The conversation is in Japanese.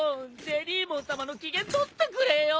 ジェリーモンさまの機嫌取ってくれよ！